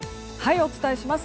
お伝えします。